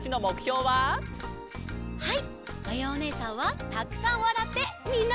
はい！